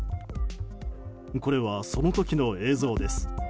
これは、その時の映像です。